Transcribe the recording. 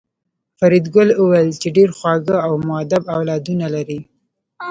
فریدګل وویل چې ډېر خواږه او مودب اولادونه لرې